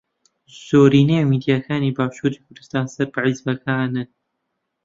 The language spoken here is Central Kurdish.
زۆرینەی میدیاکانی باشووری کوردستان سەر بە حیزبەکانن.